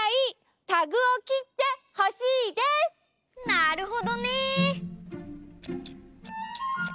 なるほどね！